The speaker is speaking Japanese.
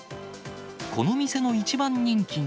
この店の一番人気が。